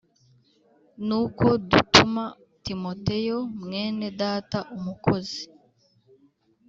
Nuko dutuma Timoteyo mwene Data umukozi